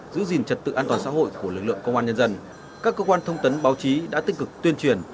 giữ gìn trật tự an toàn xã hội của lực lượng công an nhân dân các cơ quan thông tấn báo chí đã tích cực tuyên truyền